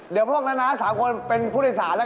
เดี๋ยวพวกมันม้าน้ำสามคนเป็นพูดภาษาระกัน